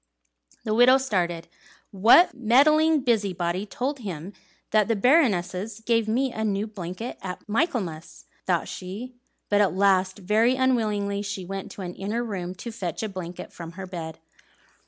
The widow started. "What meddling busybody told him that the Baroness gave me a new blanket at Michaelmas?" thought she; but at last, very unwillingly, she went to an inner room to fetch a blanket from her bed.